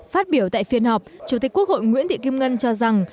phát biểu tại phiên họp chủ tịch quốc hội nguyễn thị kim ngân cho rằng